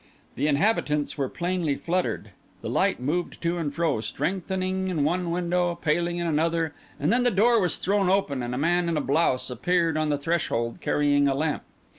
The inhabitants were plainly fluttered; the light moved to and fro, strengthening in one window, paling in another; and then the door was thrown open, and a man in a blouse appeared on the threshold carrying a lamp.